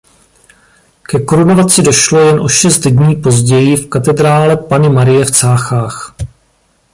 Ke korunovaci došlo jen o šest dní později v katedrále Panny Marie v Cáchách.